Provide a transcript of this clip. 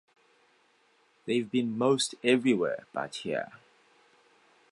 They’ve been most everywhere but here.